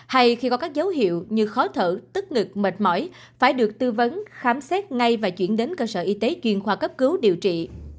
hay khi có các dấu hiệu như khó thở tức ngực mệt mỏi phải được tư vấn khám xét ngay và chuyển đến cơ sở y tế chuyên khoa cấp cứu điều trị